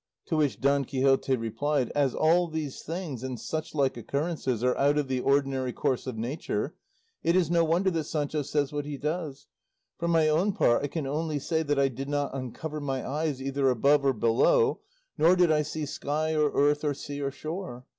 To which Don Quixote replied, "As all these things and such like occurrences are out of the ordinary course of nature, it is no wonder that Sancho says what he does; for my own part I can only say that I did not uncover my eyes either above or below, nor did I see sky or earth or sea or shore.